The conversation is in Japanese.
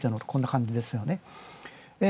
こんな感じですね。